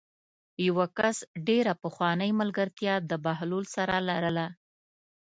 یوه کس ډېره پخوانۍ ملګرتیا د بهلول سره لرله.